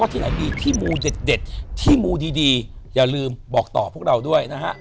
ที่ไหนดีที่มูเด็ดที่มูดีอย่าลืมบอกต่อพวกเราด้วยนะฮะ